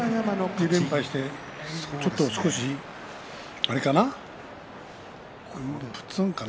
２連敗して、ちょっと、あれかな？